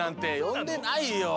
よんでないよ。